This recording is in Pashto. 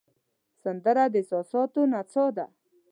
سندره د احساساتو نڅا ده